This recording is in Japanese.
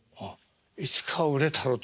いつかは売れたると。